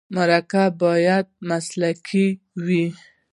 مرکه باید مسلکي وي.